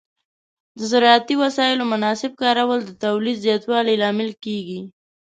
د زراعتي وسایلو مناسب کارول د تولید زیاتوالي لامل کېږي.